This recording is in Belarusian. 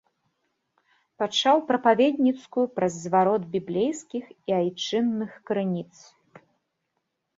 Пачаў прапаведніцкую праз зварот біблейскіх і айчынных крыніц.